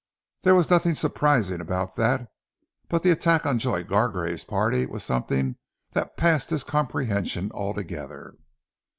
There was nothing surprising about that, but the attack on Joy Gargrave's party was something that passed his comprehension altogether.